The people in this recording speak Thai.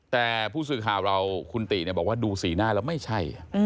แต่ผู้สื่อข่าวเราคุณติบอกว่าดูสีหน้าแล้วไม่ใช่